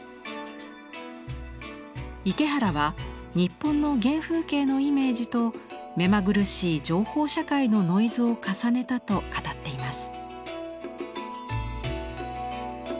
池原は「日本の原風景のイメージと目まぐるしい情報社会のノイズを重ねた」と語っています。